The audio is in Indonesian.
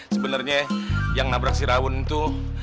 sebenernya yang nabrak si rawun itu